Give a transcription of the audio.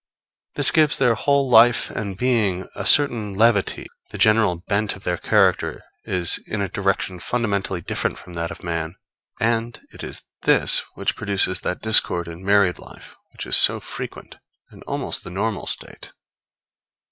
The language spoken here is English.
This gives their whole life and being a certain levity; the general bent of their character is in a direction fundamentally different from that of man; and it is this to which produces that discord in married life which is so frequent, and almost the normal state.